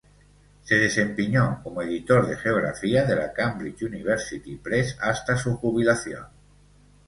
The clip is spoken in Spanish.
Se desempeñó como editor de geografía de la Cambridge University Press hasta su jubilación.